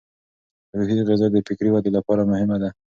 روحي غذا د فکري ودې لپاره مهمه ده.